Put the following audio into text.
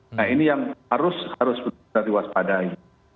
nah ini yang harus harus benar benar di waspadai